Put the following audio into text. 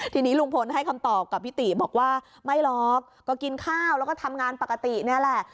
ทีนี้ลุงพลให้คำตอบกับพี่ติบอกว่าไม่หรอกก็กินข้าวแล้วก็ทำงานปกตินี่แหละ